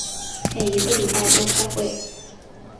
每一个礼拜都开会。